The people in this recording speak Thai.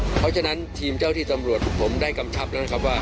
เพราะฉะนั้นทีมเจ้าที่ตำรวจผมได้กำชับแล้วนะครับว่า